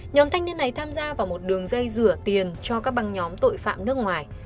nhóm thanh niên này tham gia vào một đường dây rửa tiền cho các băng nhóm tội phạm nước ngoài